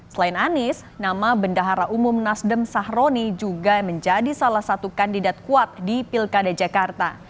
selain anies nama bendahara umum nasdem sahroni juga menjadi salah satu kandidat kuat di pilkada jakarta